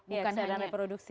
iya kesehatan reproduksi